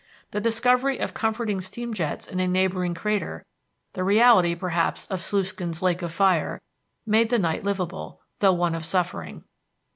The discovery of comforting steam jets in a neighboring crater, the reality perhaps of Sluiskin's lake of fire, made the night livable, though one of suffering.